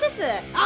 あっ！